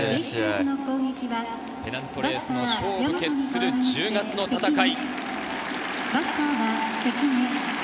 ペナントレースの勝負を決する１０月の戦い。